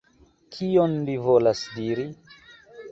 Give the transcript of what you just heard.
Kion li volas diri?